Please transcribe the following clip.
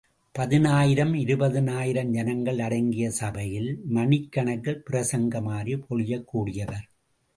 பதினாயிரம் இருபதினாயிரம் ஜனங்கள் அடங்கிய சபையில் மணிக்கணக்கில் பிரசங்க மாரி பொழியக் கூடியவர்.